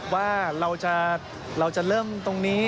ว่าเราจะเริ่มตรงนี้